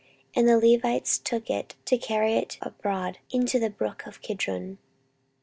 And the Levites took it, to carry it out abroad into the brook Kidron.